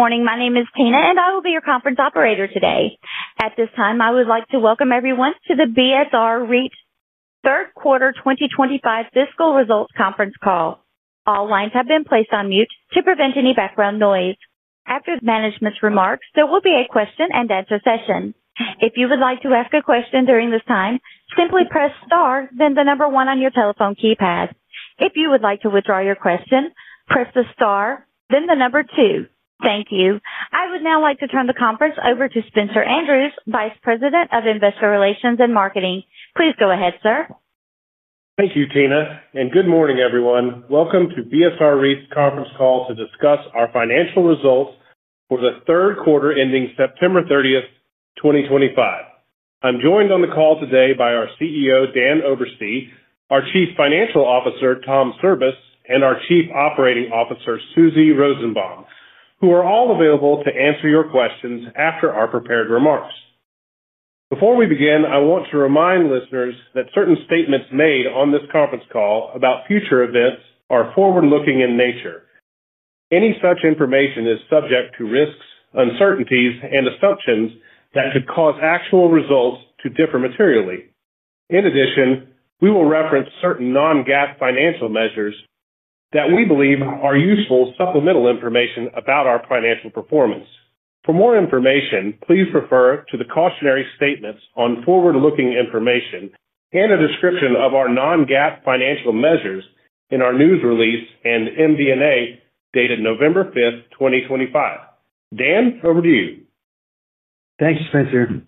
Morning. My name is Tina, and I will be your conference operator today. At this time, I would like to welcome everyone to the BSR REIT's Third Quarter 2025 Fiscal Results Conference Call. All lines have been placed on mute to prevent any background noise. After management's remarks, there will be a question-and-answer session. If you would like to ask a question during this time, simply press star, then the number one on your telephone keypad. If you would like to withdraw your question, press the star, then the number two. Thank you. I would now like to turn the conference over to Spencer Andrews, Vice President of Investor Relations and Marketing. Please go ahead, sir. Thank you, Tina. Good morning, everyone. Welcome to BSR REIT's conference call to discuss our financial results for the third quarter ending September 30, 2025. I'm joined on the call today by our CEO, Dan Oberste, our Chief Financial Officer, Tom Cirbus, and our Chief Operating Officer, Susie Rosenbaum, who are all available to answer your questions after our prepared remarks. Before we begin, I want to remind listeners that certain statements made on this conference call about future events are forward-looking in nature. Any such information is subject to risks, uncertainties, and assumptions that could cause actual results to differ materially. In addition, we will reference certain non-GAAP financial measures that we believe are useful supplemental information about our financial performance. For more information, please refer to the cautionary statements on forward-looking information and a description of our non-GAAP financial measures in our news release and MD&A dated November 5, 2025. Dan, over to you. Thanks, Spencer.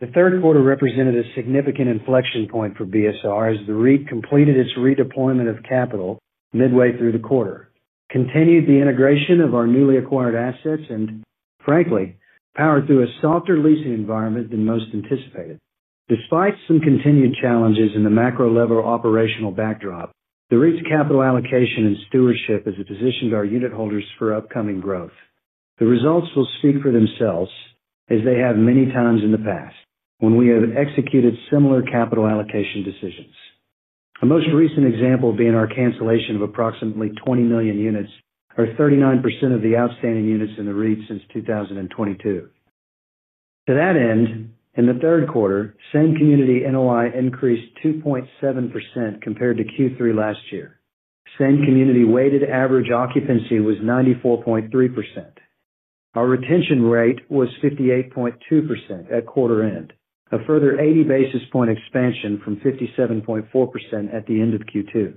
The third quarter represented a significant inflection point for BSR as the REIT completed its redeployment of capital midway through the quarter, continued the integration of our newly acquired assets, and, frankly, powered through a softer leasing environment than most anticipated. Despite some continued challenges in the macro-level operational backdrop, the REIT's capital allocation and stewardship has positioned our unit holders for upcoming growth. The results will speak for themselves, as they have many times in the past when we have executed similar capital allocation decisions. The most recent example being our cancellation of approximately 20 million units, or 39% of the outstanding units in the REIT since 2022. To that end, in the third quarter, Same Community NOI increased 2.7% compared to Q3 last year. Same Community weighted average occupancy was 94.3%. Our retention rate was 58.2% at quarter end, a further 80 basis point expansion from 57.4% at the end of Q2.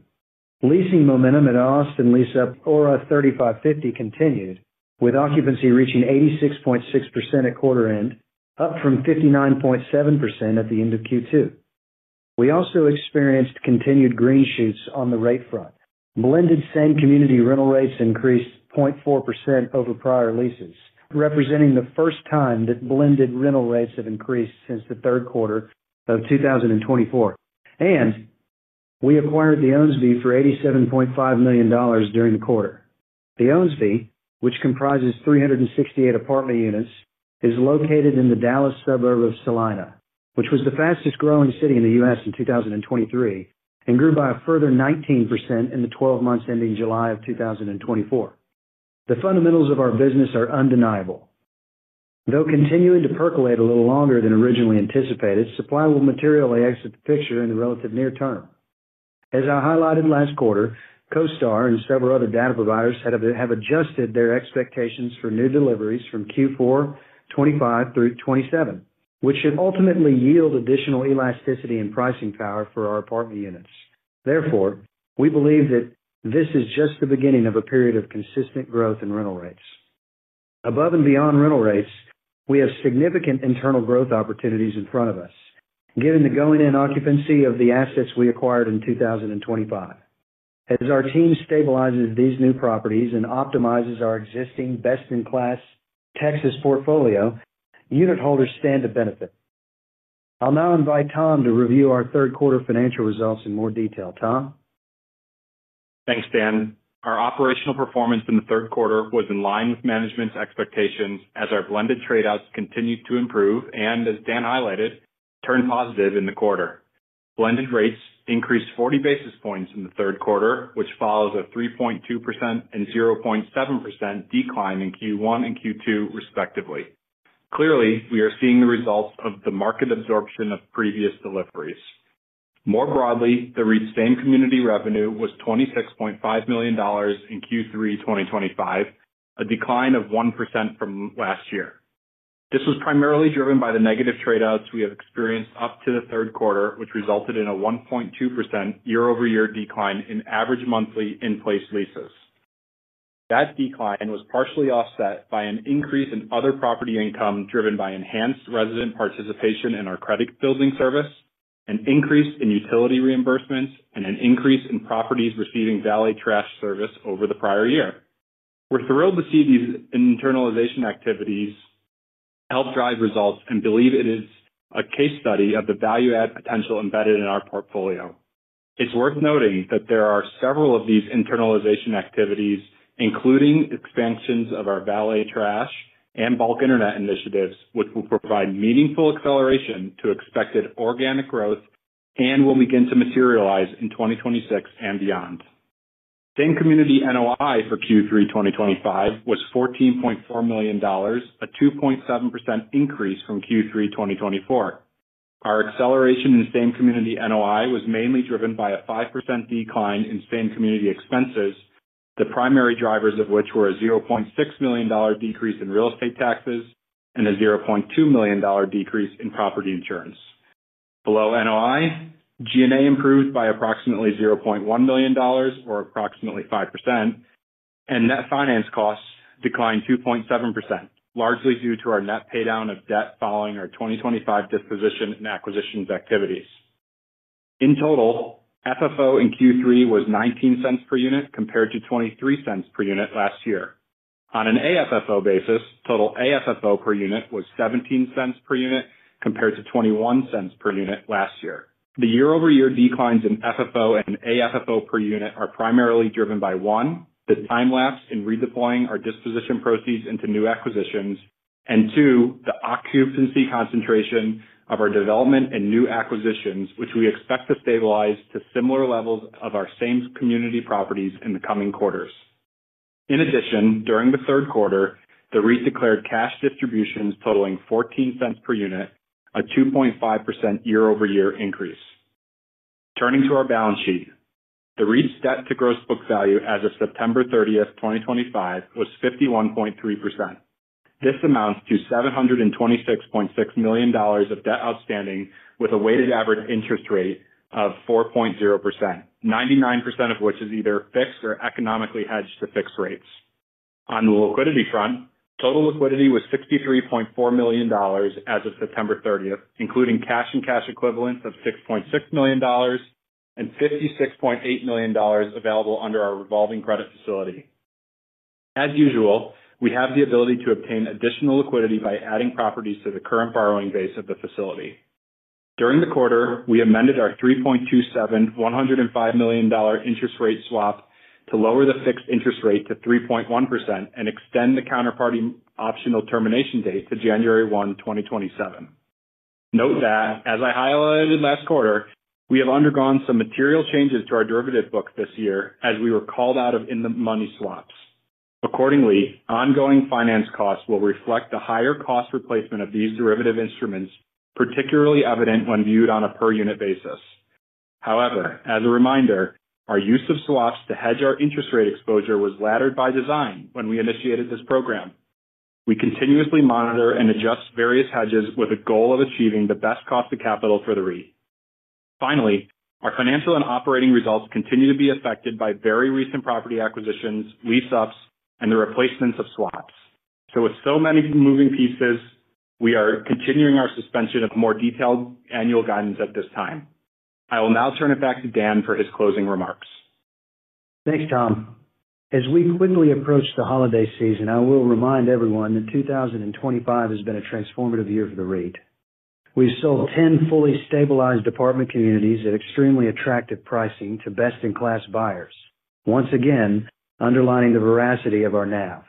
Leasing momentum at Austin lease-up Aura 35Fifty continued, with occupancy reaching 86.6% at quarter end, up from 59.7% at the end of Q2. We also experienced continued green shoots on the rate front. Blended Same Community rental rates increased 0.4% over prior leases, representing the first time that blended rental rates have increased since the third quarter of 2024. We acquired the Ownsby for $87.5 million during the quarter. The Ownsby, which comprises 368 apartment units, is located in the Dallas suburb of Celina, which was the fastest-growing city in the US in 2023 and grew by a further 19% in the 12 months ending July of 2024. The fundamentals of our business are undeniable. Though continuing to percolate a little longer than originally anticipated, supply will materially exit the picture in the relative near term. As I highlighted last quarter, CoStar and several other data providers have adjusted their expectations for new deliveries from Q4 2025 through 2027, which should ultimately yield additional elasticity and pricing power for our apartment units. Therefore, we believe that this is just the beginning of a period of consistent growth in rental rates. Above and beyond rental rates, we have significant internal growth opportunities in front of us, given the going-in occupancy of the assets we acquired in 2025. As our team stabilizes these new properties and optimizes our existing best-in-class Texas portfolio, unit holders stand to benefit. I'll now invite Tom to review our third quarter financial results in more detail. Tom? Thanks, Dan. Our operational performance in the third quarter was in line with management's expectations as our blended tradeouts continued to improve and, as Dan highlighted, turned positive in the quarter. Blended rates increased 40 basis points in the third quarter, which follows a 3.2% and 0.7% decline in Q1 and Q2, respectively. Clearly, we are seeing the results of the market absorption of previous deliveries. More broadly, the REIT's Same Community revenue was $26.5 million in Q3 2025, a decline of 1% from last year. This was primarily driven by the negative tradeouts we have experienced up to the third quarter, which resulted in a 1.2% year-over-year decline in average monthly in-place leases. That decline was partially offset by an increase in other property income driven by enhanced resident participation in our credit-building service, an increase in utility reimbursements, and an increase in properties receiving valet/trash service over the prior year. We're thrilled to see these internalization activities help drive results and believe it is a case study of the value-add potential embedded in our portfolio. It's worth noting that there are several of these internalization activities, including expansions of our valet/trash and bulk internet initiatives, which will provide meaningful acceleration to expected organic growth and will begin to materialize in 2026 and beyond. Same Community NOI for Q3 2025 was $14.4 million, a 2.7% increase from Q3 2024. Our acceleration in Same Community NOI was mainly driven by a 5% decline in Same Community expenses, the primary drivers of which were a $0.6 million decrease in real estate taxes and a $0.2 million decrease in property insurance. Below NOI, G&A improved by approximately $0.1 million, or approximately 5%. Net finance costs declined 2.7%, largely due to our net paydown of debt following our 2025 disposition and acquisitions activities. In total, FFO in Q3 was $0.19 per unit compared to $0.23 per unit last year. On an AFFO basis, total AFFO per unit was $0.17 per unit compared to $0.21 per unit last year. The year-over-year declines in FFO and AFFO per unit are primarily driven by, one, the time lapse in redeploying our disposition proceeds into new acquisitions, and two, the occupancy concentration of our development and new acquisitions, which we expect to stabilize to similar levels of our Same Community properties in the coming quarters. In addition, during the third quarter, the REIT declared cash distributions totaling $0.14 per unit, a 2.5% year-over-year increase. Turning to our balance sheet, the REIT's debt-to-gross book value as of September 30, 2025, was 51.3%. This amounts to $726.6 million of debt outstanding with a weighted average interest rate of 4.0%, 99% of which is either fixed or economically hedged to fixed rates. On the liquidity front, total liquidity was $63.4 million as of September 30, including cash and cash equivalents of $6.6 million. $56.8 million was available under our revolving credit facility. As usual, we have the ability to obtain additional liquidity by adding properties to the current borrowing base of the facility. During the quarter, we amended our 3.27%, $105 million interest rate swap to lower the fixed interest rate to 3.1% and extend the counterparty optional termination date to January 1, 2027. Note that, as I highlighted last quarter, we have undergone some material changes to our derivative book this year as we were called out of in-the-money swaps. Accordingly, ongoing finance costs will reflect the higher cost replacement of these derivative instruments, particularly evident when viewed on a per-unit basis. However, as a reminder, our use of swaps to hedge our interest rate exposure was laddered by design when we initiated this program. We continuously monitor and adjust various hedges with a goal of achieving the best cost of capital for the REIT. Finally, our financial and operating results continue to be affected by very recent property acquisitions, lease-ups, and the replacements of swaps. With so many moving pieces, we are continuing our suspension of more detailed annual guidance at this time. I will now turn it back to Dan for his closing remarks. Thanks, Tom. As we quickly approach the holiday season, I will remind everyone that 2025 has been a transformative year for the REIT. We've sold 10 fully stabilized apartment communities at extremely attractive pricing to best-in-class buyers, once again underlining the veracity of our NAV.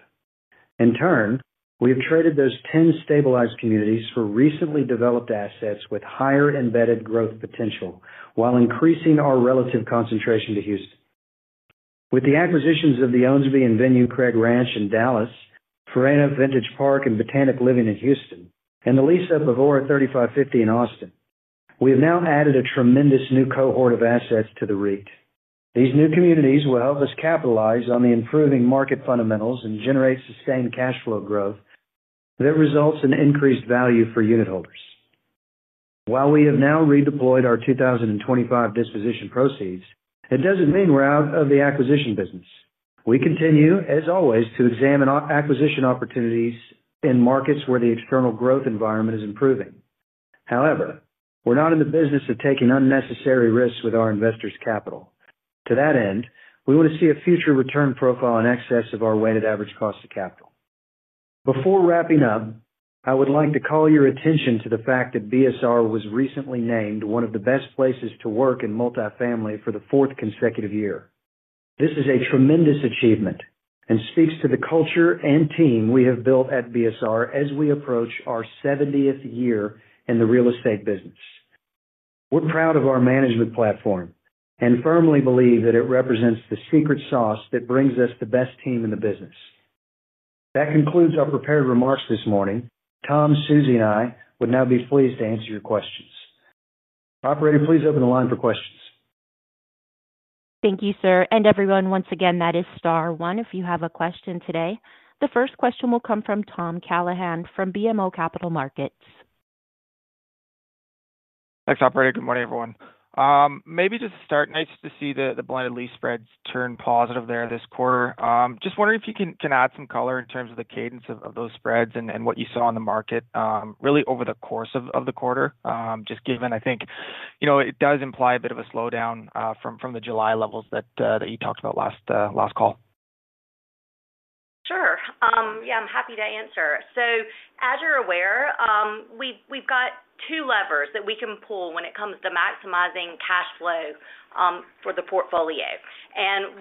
In turn, we have traded those 10 stabilized communities for recently developed assets with higher embedded growth potential while increasing our relative concentration to Houston. With the acquisitions of the Ownsby and Venue Craig Ranch in Dallas, Forayna Vintage Park and Botanic Living in Houston, and the lease-up of Aura 35Fifty in Austin, we have now added a tremendous new cohort of assets to the REIT. These new communities will help us capitalize on the improving market fundamentals and generate sustained cash flow growth that results in increased value for unit holders. While we have now redeployed our 2025 disposition proceeds, it does not mean we are out of the acquisition business. We continue, as always, to examine acquisition opportunities in markets where the external growth environment is improving. However, we are not in the business of taking unnecessary risks with our investors' capital. To that end, we want to see a future return profile in excess of our weighted average cost of capital. Before wrapping up, I would like to call your attention to the fact that BSR was recently named one of the best places to work in multifamily for the fourth consecutive year. This is a tremendous achievement and speaks to the culture and team we have built at BSR as we approach our 70th year in the real estate business. We're proud of our management platform and firmly believe that it represents the secret sauce that brings us the best team in the business. That concludes our prepared remarks this morning. Tom, Susie, and I would now be pleased to answer your questions. Operator, please open the line for questions. Thank you, sir. Everyone, once again, that is Star One if you have a question today. The first question will come from Tom Callaghan from BMO Capital Markets. Thanks, Operator. Good morning, everyone. Maybe just to start, nice to see the blended lease spreads turn positive there this quarter. Just wondering if you can add some color in terms of the cadence of those spreads and what you saw in the market really over the course of the quarter, just given, I think, it does imply a bit of a slowdown from the July levels that you talked about last call. Sure. Yeah, I'm happy to answer. As you're aware, we've got two levers that we can pull when it comes to maximizing cash flow for the portfolio.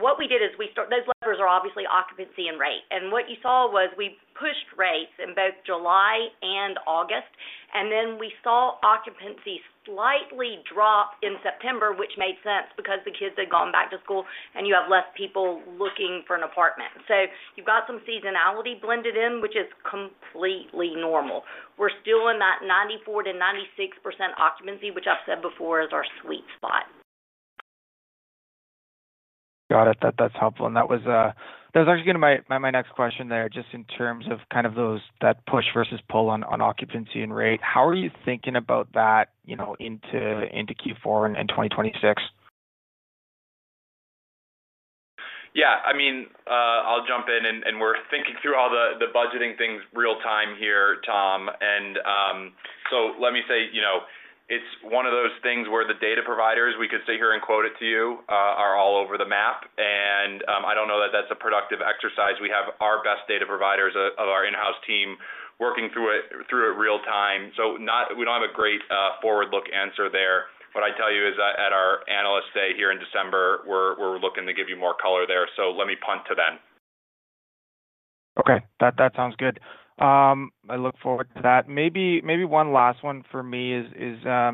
What we did is we start—those levers are obviously occupancy and rate. What you saw was we pushed rates in both July and August, and then we saw occupancy slightly drop in September, which made sense because the kids had gone back to school and you have less people looking for an apartment. You have some seasonality blended in, which is completely normal. We're still in that 94%-96% occupancy, which I've said before is our sweet spot. Got it. That's helpful. That was actually going to be my next question there, just in terms of kind of that push versus pull on occupancy and rate. How are you thinking about that into Q4 and 2026? Yeah. I mean, I'll jump in, and we're thinking through all the budgeting things real-time here, Tom. Let me say. It's one of those things where the data providers—we could sit here and quote it to you—are all over the map. I don't know that that's a productive exercise. We have our best data providers of our in-house team working through it real-time. We don't have a great forward-look answer there. What I tell you is that at our analyst day here in December, we're looking to give you more color there. Let me punt to them. Okay. That sounds good. I look forward to that. Maybe one last one for me is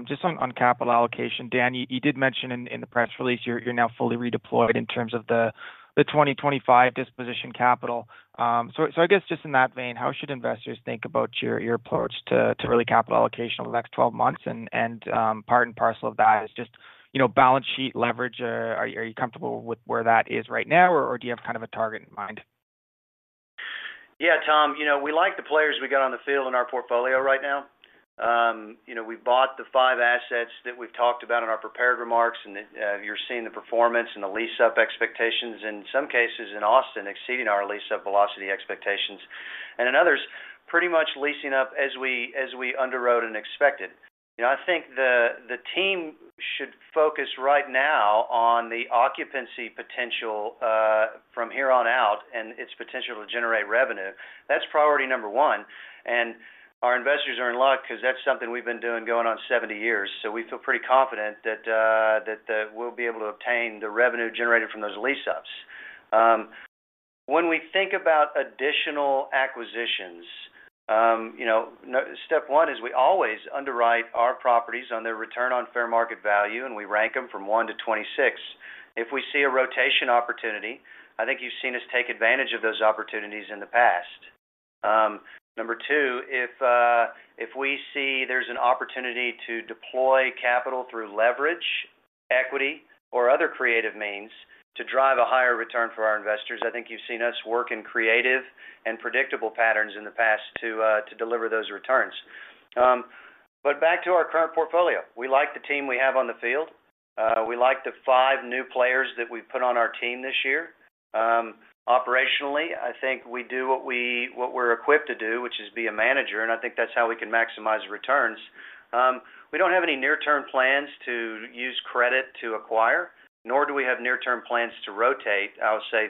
just on capital allocation. Dan, you did mention in the press release you're now fully redeployed in terms of the 2025 disposition capital. I guess just in that vein, how should investors think about your approach to really capital allocation over the next 12 months? Part and parcel of that is just balance sheet leverage. Are you comfortable with where that is right now, or do you have kind of a target in mind? Yeah, Tom. We like the players we got on the field in our portfolio right now. We bought the five assets that we have talked about in our prepared remarks, and you are seeing the performance and the lease-up expectations, in some cases in Austin, exceeding our lease-up velocity expectations. In others, pretty much leasing up as we underwrote and expected. I think the team should focus right now on the occupancy potential from here on out and its potential to generate revenue. That is priority number one. Our investors are in luck because that is something we have been doing going on 70 years. We feel pretty confident that we will be able to obtain the revenue generated from those lease-ups. When we think about additional acquisitions, step one is we always underwrite our properties on their return on fair market value, and we rank them from 1 to 26. If we see a rotation opportunity, I think you've seen us take advantage of those opportunities in the past. Number two, if we see there's an opportunity to deploy capital through leverage, equity, or other creative means to drive a higher return for our investors, I think you've seen us work in creative and predictable patterns in the past to deliver those returns. Back to our current portfolio. We like the team we have on the field. We like the five new players that we've put on our team this year. Operationally, I think we do what we're equipped to do, which is be a manager, and I think that's how we can maximize returns. We don't have any near-term plans to use credit to acquire, nor do we have near-term plans to rotate, I'll say,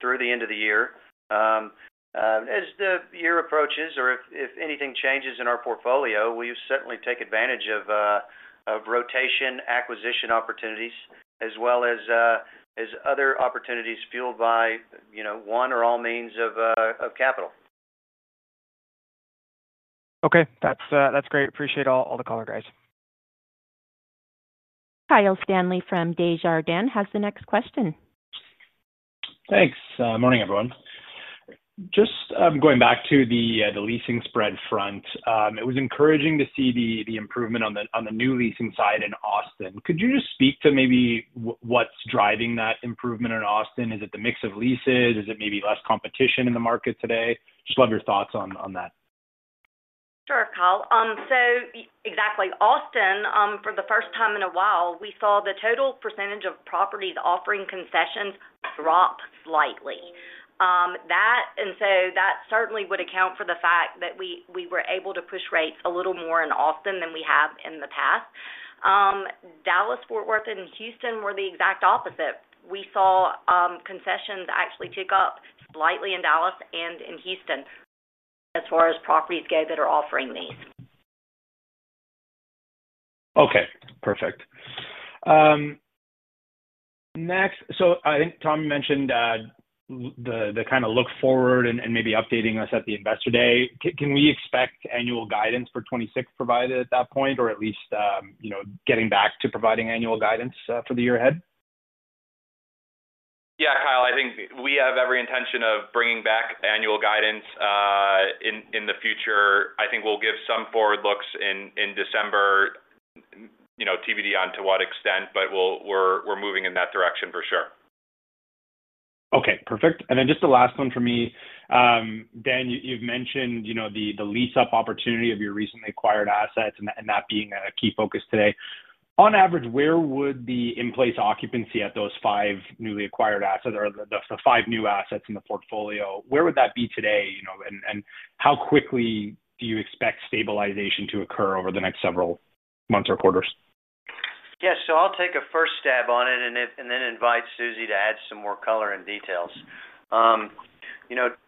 through the end of the year. As the year approaches, or if anything changes in our portfolio, we certainly take advantage of rotation acquisition opportunities as well as other opportunities fueled by one or all means of capital. Okay. That's great. Appreciate all the color, guys. Kyle Stanley from Desjardins. Dan has the next question. Thanks. Morning, everyone. Just going back to the leasing spread front, it was encouraging to see the improvement on the new leasing side in Austin. Could you just speak to maybe what's driving that improvement in Austin? Is it the mix of leases? Is it maybe less competition in the market today? Just love your thoughts on that. Sure, Kyle. So, exactly. Austin, for the first time in a while, we saw the total percentage of properties offering concessions drop slightly. And so that certainly would account for the fact that we were able to push rates a little more in Austin than we have in the past. Dallas, Fort Worth, and Houston were the exact opposite. We saw concessions actually tick up slightly in Dallas and in Houston as far as properties go that are offering these. Okay. Perfect. Next, so I think Tom mentioned that the kind of look forward and maybe updating us at the investor day. Can we expect annual guidance for 2026 provided at that point, or at least getting back to providing annual guidance for the year ahead? Yeah, Kyle, I think we have every intention of bringing back annual guidance in the future. I think we'll give some forward looks in December. TBD on to what extent, but we're moving in that direction for sure. Okay. Perfect. Just the last one for me. Dan, you've mentioned the lease-up opportunity of your recently acquired assets and that being a key focus today. On average, where would the in-place occupancy at those five newly acquired assets or the five new assets in the portfolio, where would that be today? How quickly do you expect stabilization to occur over the next several months or quarters? Yeah. I'll take a first stab on it and then invite Susie to add some more color and details.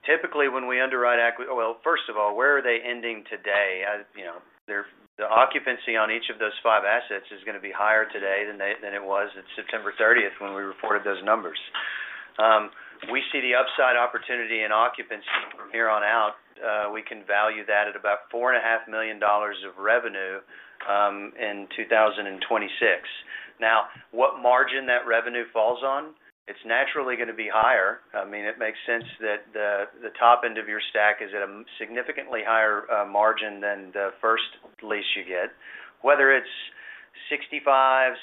Typically, when we underwrite—first of all, where are they ending today? The occupancy on each of those five assets is going to be higher today than it was at September 30 when we reported those numbers. We see the upside opportunity in occupancy from here on out. We can value that at about $4.5 million of revenue in 2026. Now, what margin that revenue falls on, it's naturally going to be higher. I mean, it makes sense that the top end of your stack is at a significantly higher margin than the first lease you get. Whether it's 65%,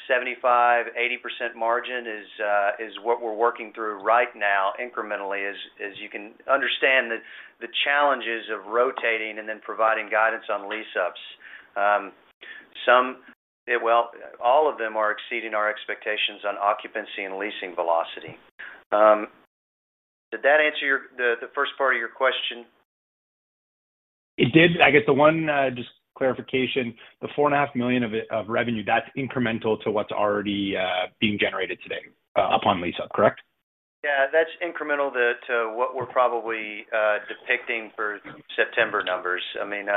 75%, 80% margin is what we're working through right now incrementally, as you can understand the challenges of rotating and then providing guidance on lease-ups. All of them are exceeding our expectations on occupancy and leasing velocity. Did that answer the first part of your question? It did. I guess the one just clarification, the $4.5 million of revenue, that's incremental to what's already being generated today upon lease-up, correct? Yeah. That's incremental to what we're probably depicting for September numbers. I mean,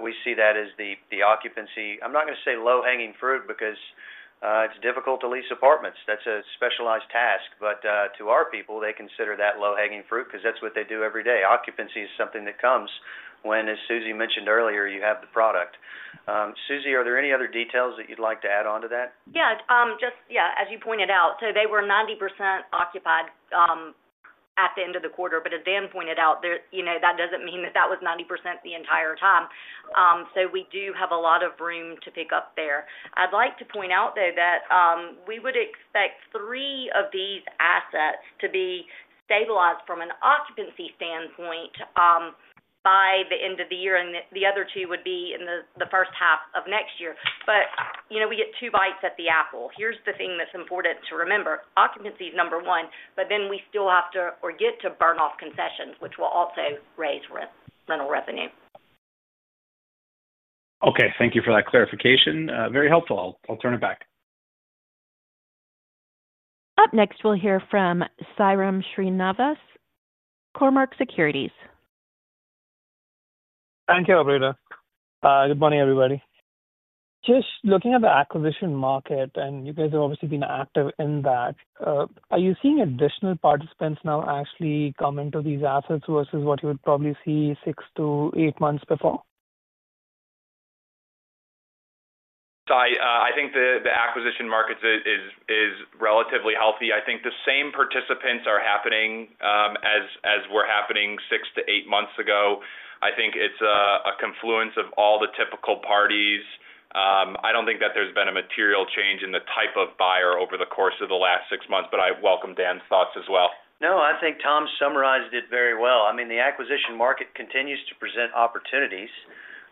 we see that as the occupancy. I'm not going to say low-hanging fruit because it's difficult to lease apartments. That's a specialized task. To our people, they consider that low-hanging fruit because that's what they do every day. Occupancy is something that comes when, as Susie mentioned earlier, you have the product. Susie, are there any other details that you'd like to add on to that? Yeah. Just, yeah, as you pointed out, they were 90% occupied at the end of the quarter. As Dan pointed out, that does not mean that was 90% the entire time. We do have a lot of room to pick up there. I'd like to point out, though, that we would expect three of these assets to be stabilized from an occupancy standpoint by the end of the year. The other two would be in the first half of next year. We get two bites at the apple. Here's the thing that's important to remember. Occupancy is number one, but then we still have to or get to burn off concessions, which will also raise rental revenue. Okay. Thank you for that clarification. Very helpful. I'll turn it back. Up next, we'll hear from Sairam Srinivas, Cormark Securities. Thank you, Areta. Good morning, everybody. Just looking at the acquisition market, and you guys have obviously been active in that, are you seeing additional participants now actually come into these assets versus what you would probably see six to eight months before? I think the acquisition market is relatively healthy. I think the same participants are happening as were happening six to eight months ago. I think it is a confluence of all the typical parties. I do not think that there has been a material change in the type of buyer over the course of the last six months, but I welcome Dan's thoughts as well. No, I think Tom summarized it very well. I mean, the acquisition market continues to present opportunities.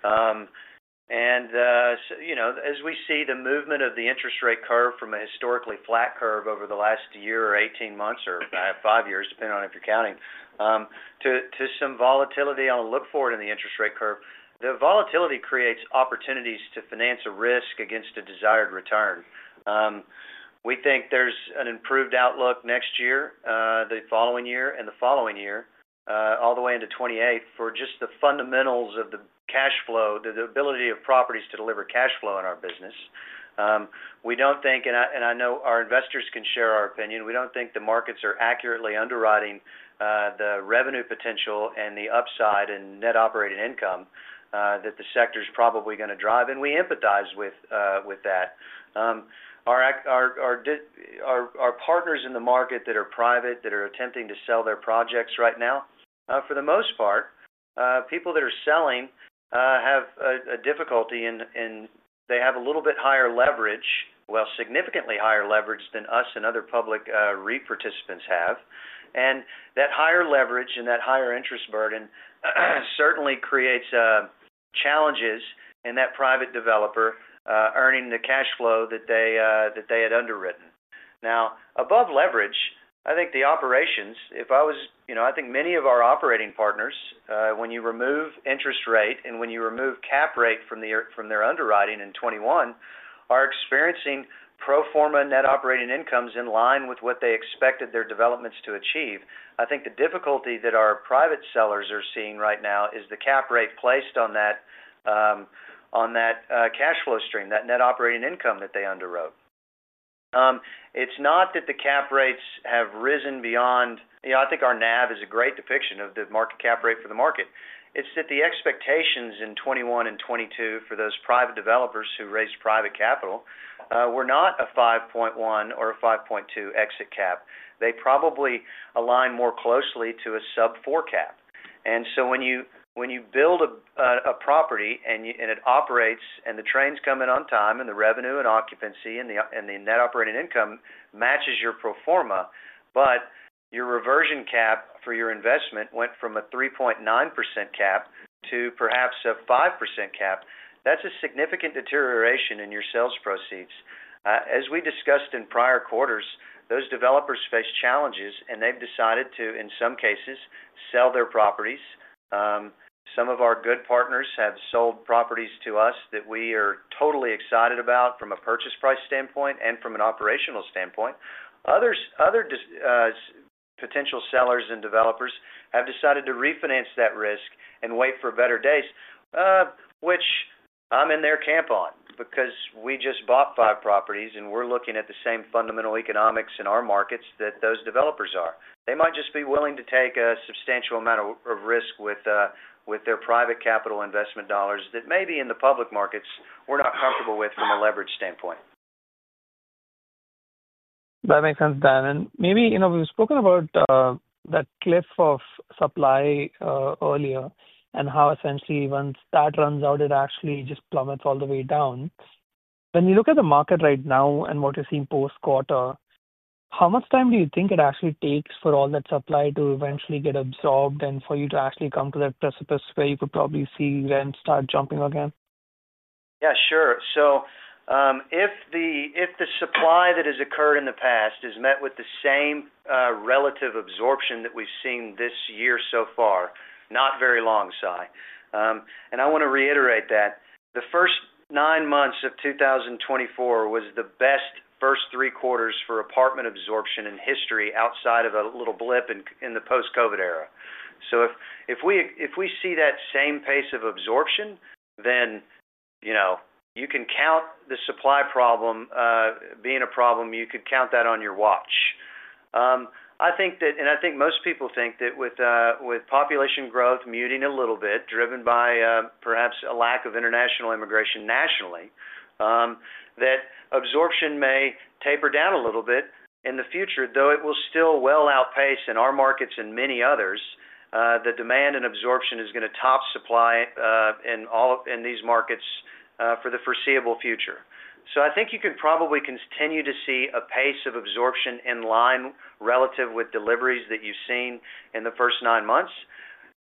As we see the movement of the interest rate curve from a historically flat curve over the last year or 18 months or 5 years, depending on if you're counting, to some volatility on a look forward in the interest rate curve, the volatility creates opportunities to finance a risk against a desired return. We think there's an improved outlook next year, the following year, and the following year, all the way into 2028 for just the fundamentals of the cash flow, the ability of properties to deliver cash flow in our business. We don't think—and I know our investors can share our opinion—we don't think the markets are accurately underwriting the revenue potential and the upside in net operating income that the sector is probably going to drive. We empathize with that. Our partners in the market that are private, that are attempting to sell their projects right now, for the most part, people that are selling have a difficulty in—they have a little bit higher leverage, well, significantly higher leverage than us and other public REIT participants have. That higher leverage and that higher interest burden certainly creates challenges in that private developer earning the cash flow that they had underwritten. Now, above leverage, I think the operations—if I was—I think many of our operating partners, when you remove interest rate and when you remove cap rate from their underwriting in 2021, are experiencing pro forma net operating incomes in line with what they expected their developments to achieve. I think the difficulty that our private sellers are seeing right now is the cap rate placed on that. Cash flow stream, that net operating income that they underwrote. It's not that the cap rates have risen beyond—I think our NAV is a great depiction of the market cap rate for the market. It's that the expectations in 2021 and 2022 for those private developers who raised private capital were not a 5.1% or a 5.2% exit cap. They probably align more closely to a sub-4% cap. When you build a property and it operates and the trains come in on time and the revenue and occupancy and the net operating income matches your pro forma, but your reversion cap for your investment went from a 3.9% cap to perhaps a 5% cap, that's a significant deterioration in your sales proceeds. As we discussed in prior quarters, those developers face challenges, and they've decided to, in some cases, sell their properties. Some of our good partners have sold properties to us that we are totally excited about from a purchase price standpoint and from an operational standpoint. Other potential sellers and developers have decided to refinance that risk and wait for better days, which I'm in their camp on because we just bought five properties, and we're looking at the same fundamental economics in our markets that those developers are. They might just be willing to take a substantial amount of risk with their private capital investment dollars that maybe in the public markets we're not comfortable with from a leverage standpoint. That makes sense, Dan. Maybe we've spoken about that cliff of supply earlier and how essentially once that runs out, it actually just plummets all the way down. When you look at the market right now and what you're seeing post-quarter, how much time do you think it actually takes for all that supply to eventually get absorbed and for you to actually come to that precipice where you could probably see rents start jumping again? Yeah, sure. If the supply that has occurred in the past is met with the same relative absorption that we've seen this year so far, not very long, Sai. I want to reiterate that the first nine months of 2024 was the best first three quarters for apartment absorption in history outside of a little blip in the post-COVID era. If we see that same pace of absorption, then you can count the supply problem being a problem, you could count that on your watch. I think that—I think most people think that with population growth muting a little bit, driven by perhaps a lack of international immigration nationally, that absorption may taper down a little bit in the future, though it will still well outpace in our markets and many others. The demand and absorption is going to top supply in these markets for the foreseeable future. I think you could probably continue to see a pace of absorption in line relative with deliveries that you've seen in the first nine months.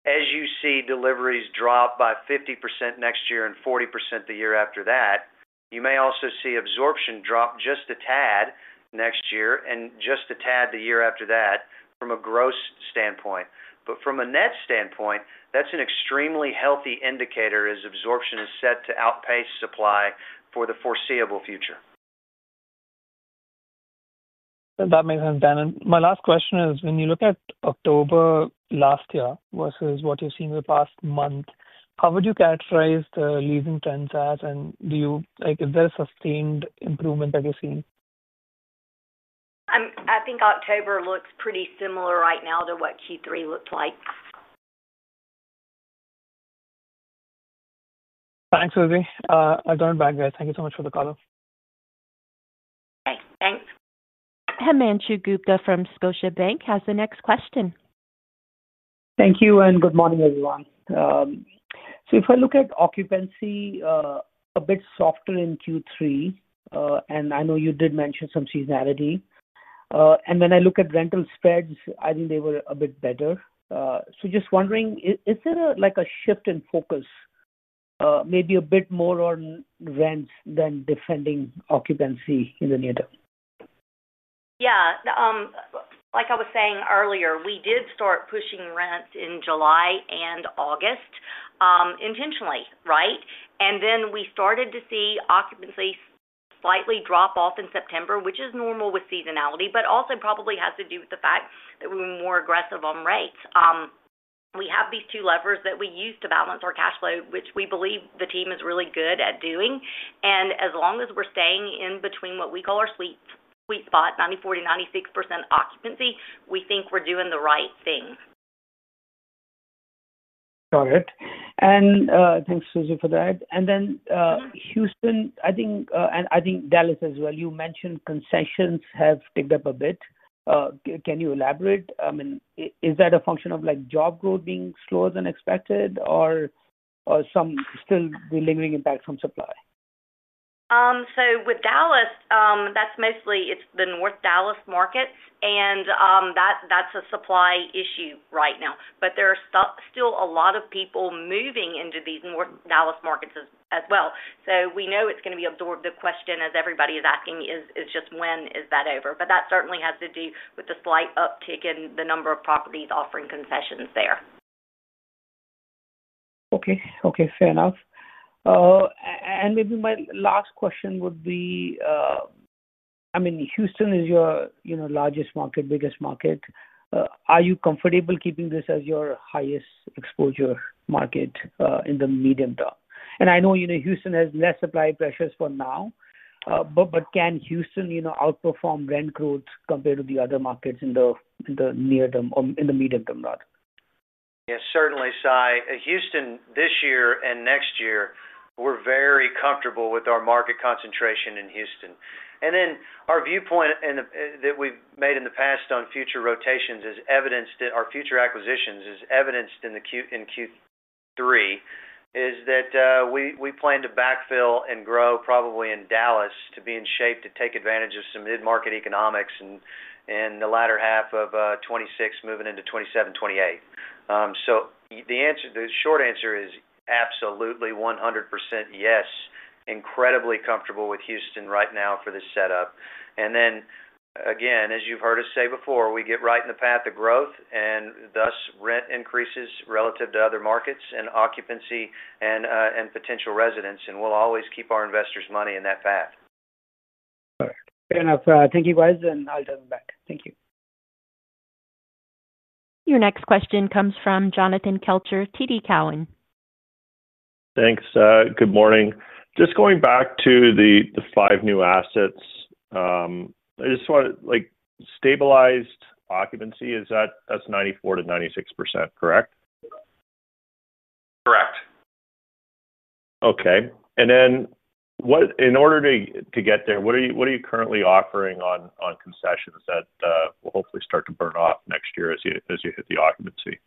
As you see deliveries drop by 50% next year and 40% the year after that, you may also see absorption drop just a tad next year and just a tad the year after that from a gross standpoint. From a net standpoint, that's an extremely healthy indicator as absorption is set to outpace supply for the foreseeable future. That makes sense, Dan. My last question is, when you look at October last year versus what you have seen in the past month, how would you characterize the leasing trends as, and is there a sustained improvement that you are seeing? I think October looks pretty similar right now to what Q3 looked like. Thanks, Susie. I'll turn it back there. Thank you so much for the color. Okay. Thanks. Himanshu Gupta from Scotiabank has the next question. Thank you. Good morning, everyone. If I look at occupancy, a bit softer in Q3. I know you did mention some seasonality. When I look at rental spreads, I think they were a bit better. Just wondering, is there a shift in focus, maybe a bit more on rents than defending occupancy in the near term? Yeah. Like I was saying earlier, we did start pushing rents in July and August. Intentionally, right? Then we started to see occupancy slightly drop off in September, which is normal with seasonality, but also probably has to do with the fact that we were more aggressive on rates. We have these two levers that we use to balance our cash flow, which we believe the team is really good at doing. As long as we're staying in between what we call our sweet spot, 94%-96% occupancy, we think we're doing the right thing. Got it. Thanks, Susie, for that. Houston, I think, and I think Dallas as well, you mentioned concessions have picked up a bit. Can you elaborate? I mean, is that a function of job growth being slower than expected or still the lingering impact from supply? With Dallas, that's mostly it's the North Dallas markets, and that's a supply issue right now. There are still a lot of people moving into these North Dallas markets as well. We know it's going to be absorbed. The question, as everybody is asking, is just when is that over? That certainly has to do with the slight uptick in the number of properties offering concessions there. Okay. Fair enough. Maybe my last question would be, I mean, Houston is your largest market, biggest market. Are you comfortable keeping this as your highest exposure market in the medium term? I know Houston has less supply pressures for now. Can Houston outperform rent growth compared to the other markets in the near term or in the medium term, rather? Yeah, certainly, Sy. Houston this year and next year, we're very comfortable with our market concentration in Houston. Our viewpoint that we've made in the past on future rotations is evidenced that our future acquisitions is evidenced in Q3. Is that we plan to backfill and grow probably in Dallas to be in shape to take advantage of some mid-market economics in the latter half of 2026 moving into 2027, 2028. The short answer is absolutely 100% yes. Incredibly comfortable with Houston right now for this setup. Again, as you've heard us say before, we get right in the path of growth and thus rent increases relative to other markets and occupancy and potential residents. We'll always keep our investors' money in that path. Fair enough. Thank you, guys. I'll turn it back. Thank you. Your next question comes from Jonathan Kelcher, TD Cowen. Thanks. Good morning. Just going back to the five new assets. I just want to stabilized occupancy, that's 94%-96%, correct? Correct. Okay. In order to get there, what are you currently offering on concessions that will hopefully start to burn off next year as you hit the occupancy?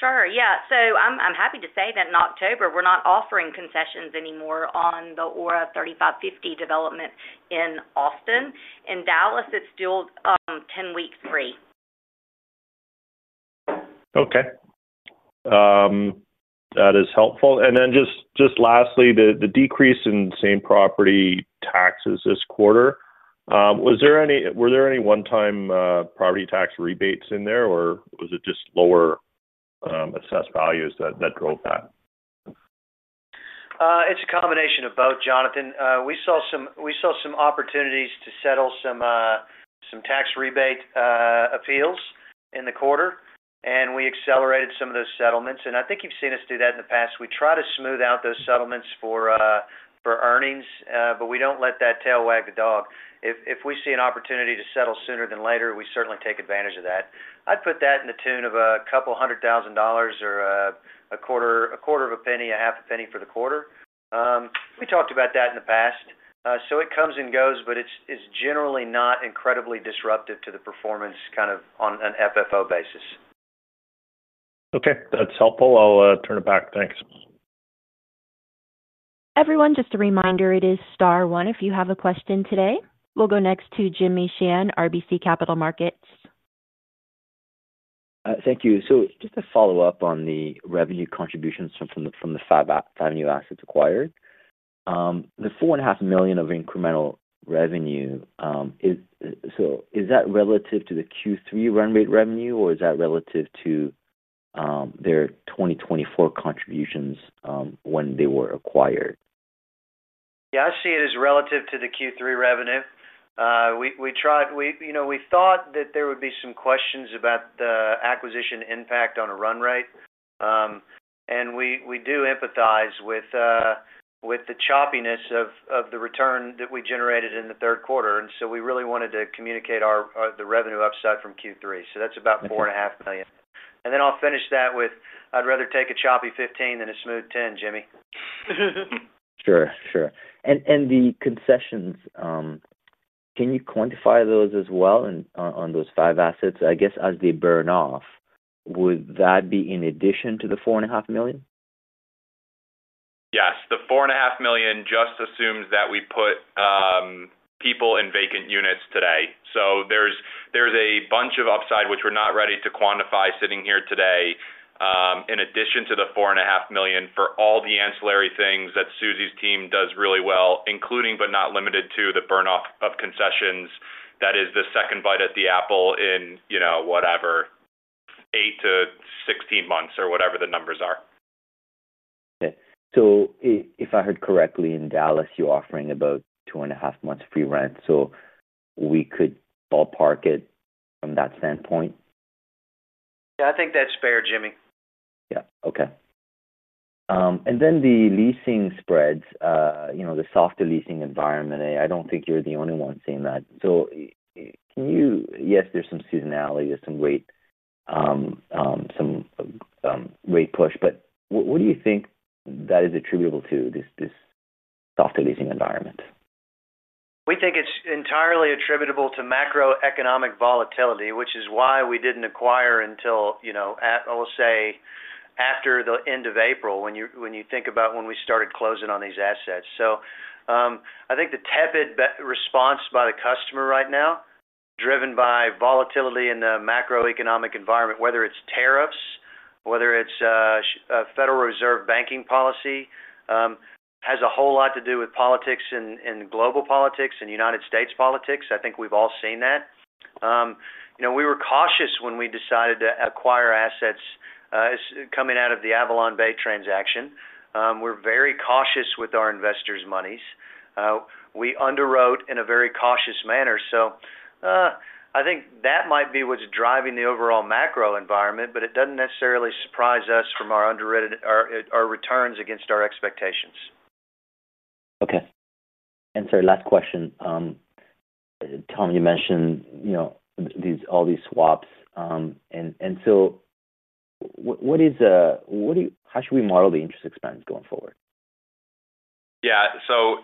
Sure. Yeah. So I'm happy to say that in October, we're not offering concessions anymore on the Aura 35Fifty development in Austin. In Dallas, it's still 10 weeks free. Okay. That is helpful. Lastly, the decrease in same property taxes this quarter, were there any one-time property tax rebates in there, or was it just lower assessed values that drove that? It's a combination of both, Jonathan. We saw some opportunities to settle some tax rebate appeals in the quarter, and we accelerated some of those settlements. I think you've seen us do that in the past. We try to smooth out those settlements for earnings, but we don't let that tail wag the dog. If we see an opportunity to settle sooner than later, we certainly take advantage of that. I'd put that in the tune of a couple of hundred thousand dollars or a quarter of a penny, a half a penny for the quarter. We talked about that in the past. It comes and goes, but it's generally not incredibly disruptive to the performance kind of on an FFO basis. Okay. That's helpful. I'll turn it back. Thanks. Everyone, just a reminder, it is star one if you have a question today. We'll go next to Jimmy Shan, RBC Capital Markets. Thank you. Just to follow up on the revenue contributions from the five new assets acquired. The $4.5 million of incremental revenue, is that relative to the Q3 run rate revenue, or is that relative to their 2024 contributions when they were acquired? Yeah, I see it as relative to the Q3 revenue. We thought that there would be some questions about the acquisition impact on a run rate. We do empathize with the choppiness of the return that we generated in the third quarter. We really wanted to communicate the revenue upside from Q3. That is about $4.5 million. I will finish that with, "I would rather take a choppy 15 than a smooth 10, Jimmy. Sure. Can you quantify the concessions as well on those five assets? I guess as they burn off. Would that be in addition to the $4.5 million? Yes. The $4.5 million just assumes that we put people in vacant units today. There is a bunch of upside which we are not ready to quantify sitting here today. In addition to the $4.5 million for all the ancillary things that Susie's team does really well, including but not limited to the burn off of concessions, that is the second bite at the apple in whatever 8-16 months or whatever the numbers are. Okay. If I heard correctly, in Dallas, you're offering about 2.5 months free rent. We could ballpark it from that standpoint? Yeah, I think that's fair, Jimmy. Yeah. Okay. And then the leasing spreads, the softer leasing environment, I do not think you are the only one seeing that. Yes, there is some seasonality. There is some rate push. What do you think that is attributable to, this softer leasing environment? We think it's entirely attributable to macroeconomic volatility, which is why we didn't acquire until, I will say, after the end of April, when you think about when we started closing on these assets. I think the tepid response by the customer right now, driven by volatility in the macroeconomic environment, whether it's tariffs, whether it's Federal Reserve banking policy, has a whole lot to do with politics and global politics and United States politics. I think we've all seen that. We were cautious when we decided to acquire assets coming out of the AvalonBay transaction. We're very cautious with our investors' monies. We underwrote in a very cautious manner. I think that might be what's driving the overall macro environment, but it doesn't necessarily surprise us from our returns against our expectations. Okay. Sorry, last question. Tom, you mentioned all these swaps. How should we model the interest expense going forward? Yeah. So,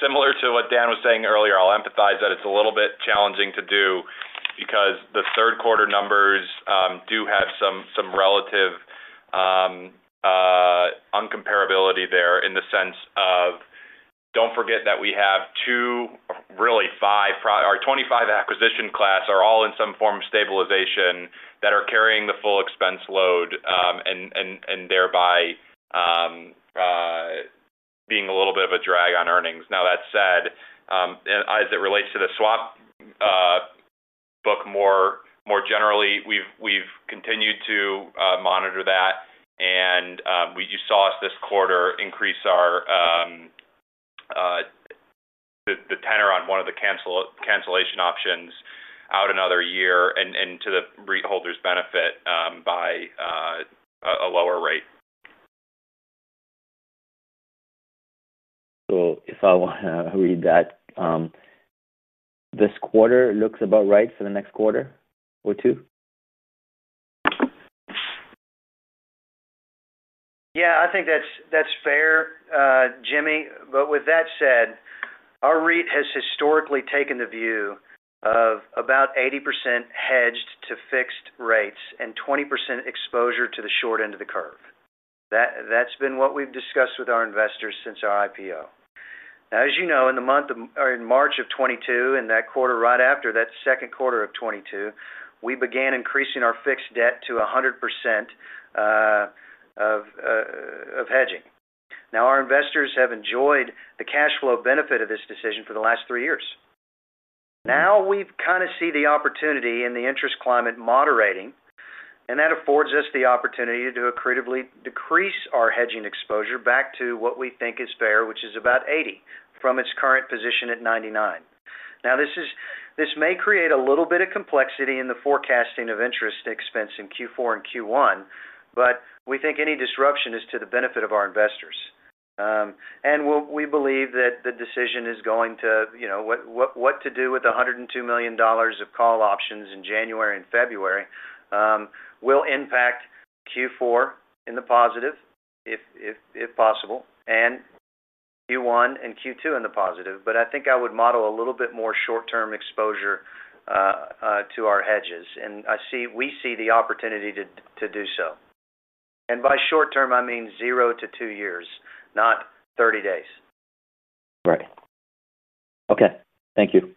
similar to what Dan was saying earlier, I'll empathize that it's a little bit challenging to do because the third quarter numbers do have some relative uncomparability there in the sense of, don't forget that we have two, really five, our 2025 acquisition class are all in some form of stabilization that are carrying the full expense load and thereby being a little bit of a drag on earnings. Now, that said, as it relates to the swap book more generally, we've continued to monitor that. And we just saw us this quarter increase the tenor on one of the cancellation options out another year and to the rate holders' benefit by a lower rate. If I want to read that, this quarter looks about right for the next quarter or two? Yeah, I think that's fair, Jimmy. With that said, our REIT has historically taken the view of about 80% hedged to fixed rates and 20% exposure to the short end of the curve. That's been what we've discussed with our investors since our IPO. Now, as you know, in the month of March of 2022 and that quarter right after, that second quarter of 2022, we began increasing our fixed debt to 100% of hedging. Now, our investors have enjoyed the cash flow benefit of this decision for the last three years. Now we kind of see the opportunity in the interest climate moderating, and that affords us the opportunity to credibly decrease our hedging exposure back to what we think is fair, which is about 80% from its current position at 99%. Now, this is -- this May create a little bit of complexity in the forecasting of interest expense in Q4 and Q1, but we think any disruption is to the benefit of our investors. We believe that the decision is going to what to do with the $102 million of call options in January and February. Will impact Q4 in the positive, if possible, and Q1 and Q2 in the positive. I think I would model a little bit more short-term exposure to our hedges. We see the opportunity to do so. By short-term, I mean zero to two years, not 30 days. Right. Okay. Thank you.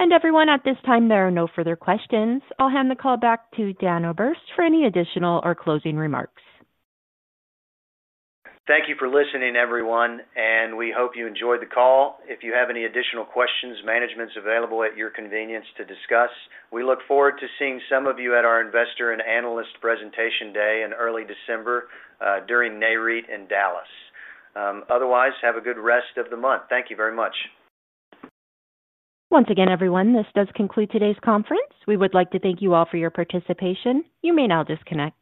At this time, there are no further questions. I'll hand the call back to Dan Oberste for any additional or closing remarks. Thank you for listening, everyone. We hope you enjoyed the call. If you have any additional questions, management is available at your convenience to discuss. We look forward to seeing some of you at our Investor and Analyst Presentation Day in early December during Nareit in Dallas. Otherwise, have a good rest of the month. Thank you very much. Once again, everyone, this does conclude today's conference. We would like to thank you all for your participation. You may now disconnect.